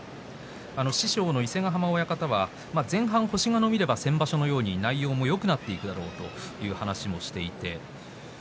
師匠の伊勢ヶ濱親方は前半、星が伸びれば先場所のように内容もよくなるだろうと話しています。